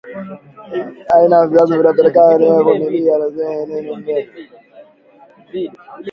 aina ya viazi vinavyopenelewa ni Pananzala sinja karoti C matanya vumilia kibakuli na simama